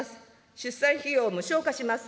出産費用を無償化します。